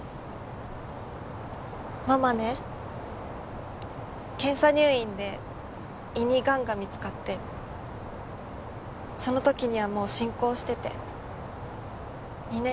ママね検査入院で胃に癌が見つかってその時にはもう進行してて２年くらいで駄目で。